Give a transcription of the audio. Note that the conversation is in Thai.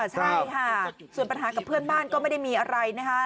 ใช่ค่ะส่วนปัญหากับเพื่อนบ้านก็ไม่ได้มีอะไรนะคะ